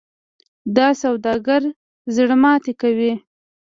دا سوداګر زړه ماتې کوي.